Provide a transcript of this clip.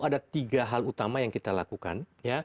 ada tiga hal utama yang kita lakukan